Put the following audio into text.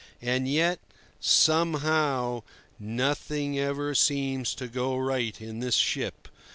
And yet, somehow, nothing ever seems to go right in this ship.